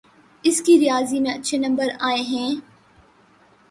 اس کے ریاضی میں اچھے نمبر آئے ہیں